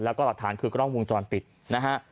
แล้วก็หลักฐานคือกล้องวงจรปิดนะฮะ